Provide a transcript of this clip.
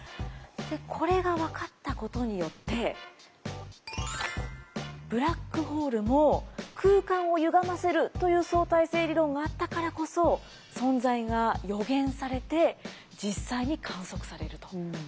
これが分かったことによってブラックホールも空間をゆがませるという相対性理論があったからこそ存在が予言されて実際に観測されると。